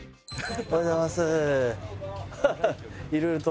おはようございます。